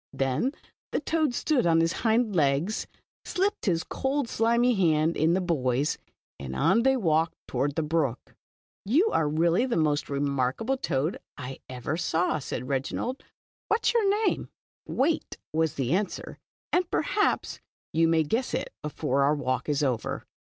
" Then the toad stood on his hind legs, slipped his cold, slimy hand in the boy's, and on they walked toward the brook. •' You are really the most remarkable toad I ever saw." said Re^ inald. " What is vour name?" ••\Yait," was the answer, " and perhaps you may guess it before our walk is over.